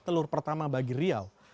telur pertama bagi riau